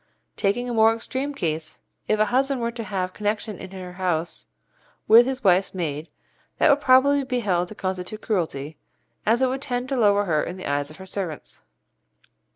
Taking a more extreme case, if a husband were to have connection in her house with his wife's maid, that would probably be held to constitute cruelty, as it would tend to lower her in the eyes of her servants.